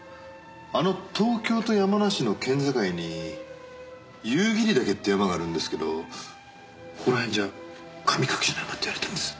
あの東京と山梨の県境に夕霧岳って山があるんですけどここら辺じゃ「神隠しの山」って言われてるんです。